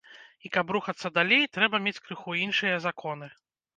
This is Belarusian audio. І, каб рухацца далей, трэба мець крыху іншыя законы.